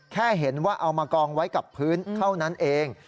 แค่เห็นว่าเอามากองไว้กับพื้นเท่านั้นเอง